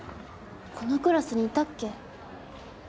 このクラスにいたっけ？